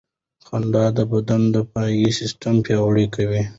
خندا د بدن دفاعي سیستم پیاوړی کوي.